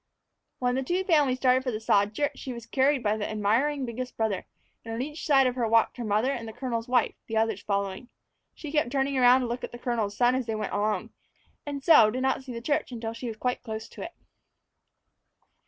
When the two families started for the sod church, she was carried by the admiring biggest brother, and on each side of her walked her mother and the colonel's wife, the others following. She kept turning around to look at the colonel's son as they went along, and so did not see the church until she was close to it.